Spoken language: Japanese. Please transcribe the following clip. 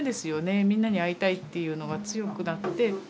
みんなに会いたいっていうのが強くなって。